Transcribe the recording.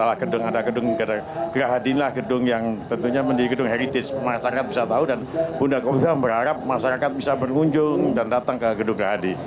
ada gedung gahadi lah gedung yang tentunya mendiri gedung heritage masyarakat bisa tahu dan bunda kogja berharap masyarakat bisa berkunjung dan datang ke gedung gahadi